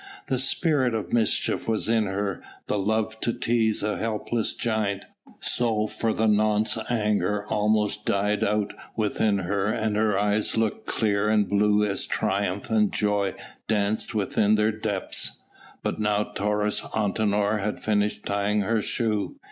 The spirit of mischief was in her, the love to tease a helpless giant; so for the nonce anger almost died out within her and her eyes looked clear and blue as triumph and joy danced within their depths. But now Taurus Antinor had finished tying her shoe.